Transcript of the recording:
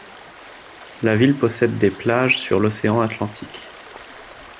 La ville possède des plages sur l'océan Atlantique.